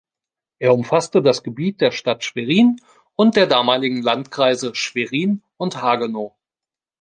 Er umfasste das Gebiet der Stadt Schwerin und der damaligen Landkreise Schwerin und Hagenow.